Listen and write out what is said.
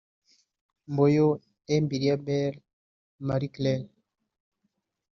Mboyo et Mbilia Bel Marie-Claire